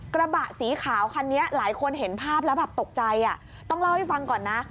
กระบะสีขาวคันนี้หลายคนเห็นภาพแล้วแบบตกใจต้องเล่าให้ฟังก่อนนะ